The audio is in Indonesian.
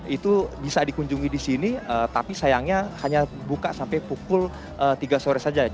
itu bisa dikunjungi di sini tapi sayangnya hanya buka sampai pukul tiga sore saja